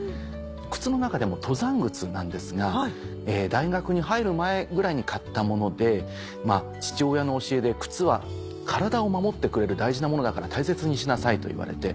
靴の中でも登山靴なんですが大学に入る前ぐらいに買ったもので父親の教えで靴は体を守ってくれる大事なものだから大切にしなさいと言われて。